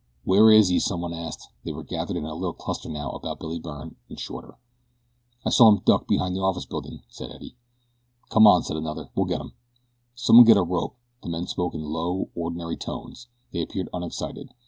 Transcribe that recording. "Where is he?" someone asked. They were gathered in a little cluster now about Billy Byrne and Shorter. "I saw him duck behind the office building," said Eddie. "Come on," said another. "We'll get him." "Someone get a rope." The men spoke in low, ordinary tones they appeared unexcited.